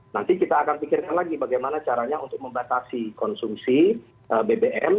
nanti kita akan pikirkan lagi bagaimana caranya untuk membatasi konsumsi bbm